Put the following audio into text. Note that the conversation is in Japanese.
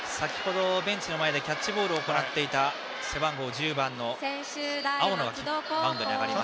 キャッチボールを行っていた背番号１０番の青野がマウンドに上がります。